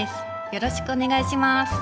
よろしくお願いします。